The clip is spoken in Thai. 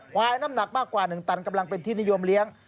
น้ำหนักมากกว่า๑ตันกำลังเป็นที่นิยมเลี้ยง